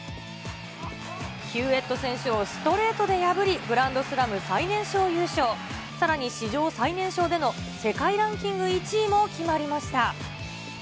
ヒューエット選手をストレートで破り、グランドスラム最年少優勝、さらに史上最年少での世界ランキング１位も決まりました。